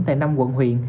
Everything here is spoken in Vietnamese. tại năm quận huyện